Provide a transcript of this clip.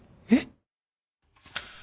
えっ？